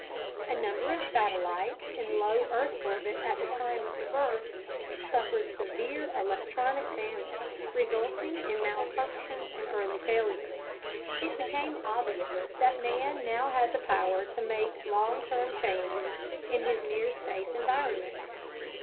A number of satellites in low earth orbit at the time of the burst suffered severe electronic damage resulting in malfunctions and early failure. It became obvious that man now had the power to make long term changes in his near space environment.